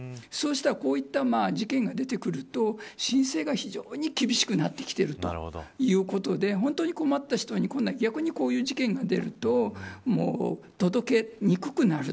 こういった事件が出てくると申請が非常に厳しくなってきているということで、本当に困った人に今度は逆にこういう事件が出ると届けにくくなる。